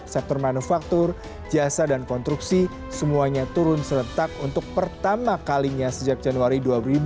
sektor manufaktur jasa dan konstruksi semuanya turun seletak untuk pertama kalinya sejak januari dua ribu dua puluh